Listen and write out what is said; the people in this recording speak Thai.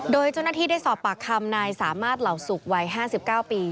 โดยเจ้าหน้าที่ได้สอบปากคำนายสามารถเหล่าสุกวัย๕๙ปี